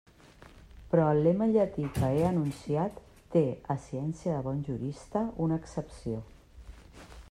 Però el lema llatí que he enunciat té, a ciència de bon jurista, una excepció.